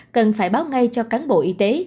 cần phải báo ngay cho cán bộ y tế